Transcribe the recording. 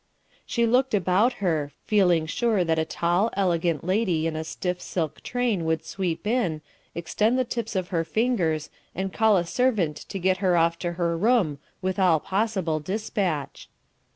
She looked about her, feeling sure that a tall, elegant lady in a stiff silk train would sweep in, extend the tips of her fingers, and call a servant to get her off to her room with all possible despatch.